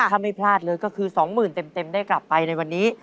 ถ้าไม่พลาดเลยก็คือ๒๐๐๐เต็มได้กลับไปในวันนี้